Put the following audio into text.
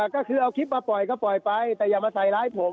ก็เอาคลิปมาปล่อยไปแต่อย่ามาใส่ร้ายผม